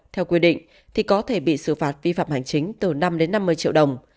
theo quy định thì có thể bị xử phạt vi phạm hành chính từ năm đến năm mươi triệu đồng